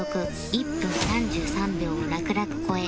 １分３３秒を楽々超え